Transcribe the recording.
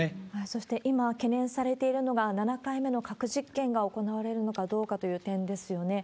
そして、今、懸念されているのが７回目の核実験が行われる中、どうかという点ですよね。